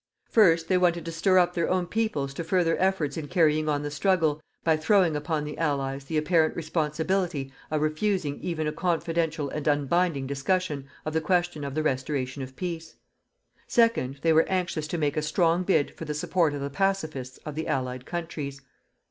First, they wanted to stir up their own peoples to further efforts in carrying on the struggle by throwing upon the Allies the apparent responsibility of refusing even a confidential and unbinding discussion of the question of the restoration of peace. Second, they were anxious to make a strong bid for the support of the pacifists of the Allied countries.